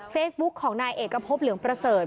ของนายเอกพบเหลืองประเสริฐ